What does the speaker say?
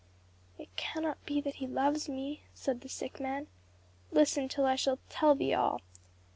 "It cannot be that he loves me," said the sick man. "Listen till I shall tell thee all.